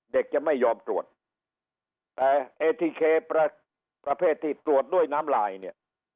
จะไม่ยอมตรวจแต่เอทีเคประเภทที่ตรวจด้วยน้ำลายเนี่ย